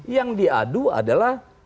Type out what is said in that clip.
yang diadu adalah